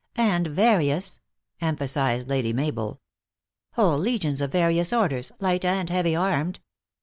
" And various !" emphasized Lady Mabel. " Whole legions of various orders, light and heavy armed.